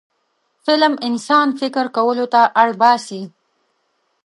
فلم انسان فکر کولو ته اړ باسي